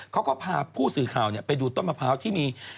เขาก็พาผู้สื่อข่าวไปดูต้นมะพร้าวที่มี